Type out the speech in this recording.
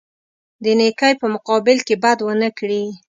د نیکۍ په مقابل کې بد ونه کړي.